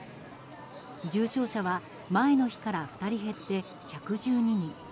重症者は前の日から２人減って１１２人。